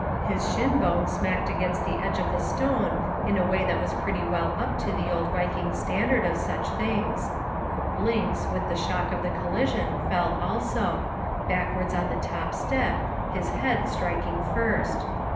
His shin bone smacked against the edge of the stone in a way that was pretty well up to the old Viking standard of such things. Blinks with the shock of the collision fell also, backwards on the top step, his head striking first.